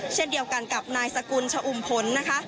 เช่นเดียวกันกับนายสกุลชะอุ่มผลนะคะ